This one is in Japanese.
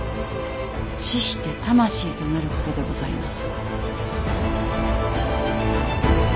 死して魂となることでございます。